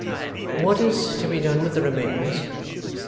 'What is to be done with the remains?